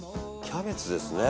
キャベツですね。